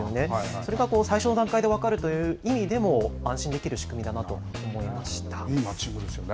それがこう、最初の段階で分かるという意味でも、安心できる仕組いいマッチングですよね。